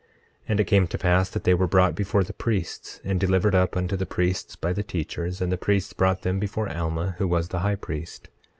26:7 And it came to pass that they were brought before the priests, and delivered up unto the priests by the teachers; and the priests brought them before Alma, who was the high priest.